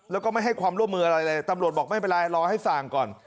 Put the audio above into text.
แล้วก็ไม่ให้ความร่วมมืออะไรเลยตำรวจบอกไม่เป็นไรรอให้สั่งก่อน